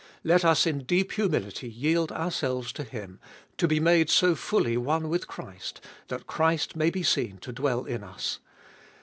Let us in deep humility yield ourselves to Him, to be made so fully one with Christ that Christ may be seen to dwell in us.